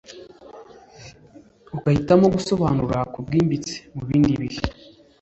ugahitamo gusobanuka kubwimbitse. mu bindi bihe